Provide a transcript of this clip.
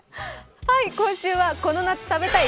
今週はこの夏食べたい！